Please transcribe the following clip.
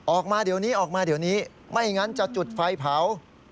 ออกมาเดี๋ยวนี้ออกมาเดี๋ยวนี้ไม่งั้นจะจุดไฟเผา